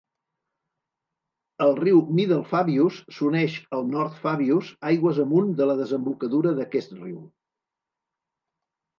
El riu Middle Fabius s'uneix al North Fabius aigües amunt de la desembocadura d'aquest riu.